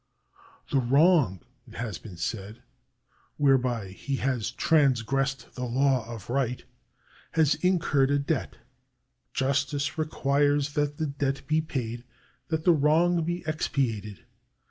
" The wrong," it has been said, " whereby he has transgressed the law of right, has incurred a debt. Justice requires that the debt be paid, that the wrong be expiated.